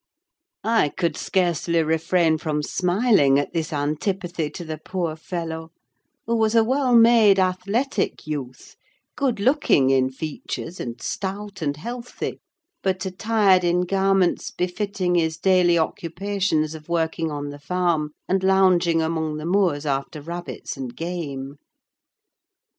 I could scarcely refrain from smiling at this antipathy to the poor fellow; who was a well made, athletic youth, good looking in features, and stout and healthy, but attired in garments befitting his daily occupations of working on the farm and lounging among the moors after rabbits and game.